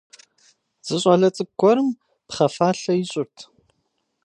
Зы щӏалэ цӏыкӏу гуэрым пхъэ фалъэ ищӏырт.